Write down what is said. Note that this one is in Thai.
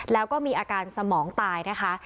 แล้วก็มีอาการสมองตายนะคะ